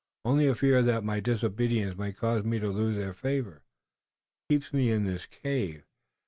Only a fear that my disobedience might cause me to lose their favor keeps me in the cave.